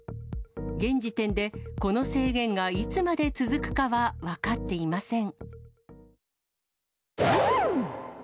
現時点でこの制限がいつまで続くかは分かっていません。